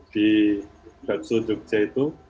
di daksuduk jg itu